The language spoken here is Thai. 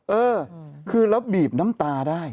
เออคือเราบีบน้ำตาได้